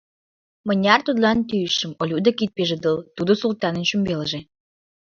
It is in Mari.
Мыняр тудлан тӱйышым: Олю деке ит пижедыл — тудо Султанын шӱмбелже.